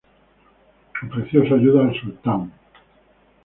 Ofreció su ayuda al Sultán.